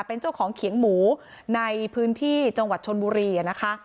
เป็นเจ้าของเขียงหมูในพื้นที่จังหวัดชนบุรีนะคะ